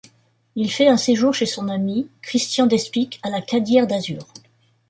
Il fait un séjour chez son ami Christian d'Espic à La Cadière-d'Azur.